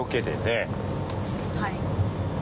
はい。